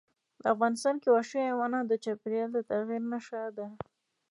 افغانستان کې وحشي حیوانات د چاپېریال د تغیر نښه ده.